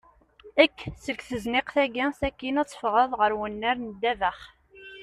Ekk seg tezniqt-agi ssakin af teffeɣḍ ɣer unnar n ddabex.